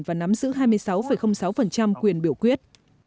và nắm giữ hai mươi sáu sáu quyền biểu quyết